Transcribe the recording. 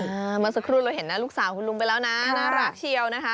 เมื่อสักครู่เราเห็นหน้าลูกสาวคุณลุงไปแล้วนะน่ารักเชียวนะคะ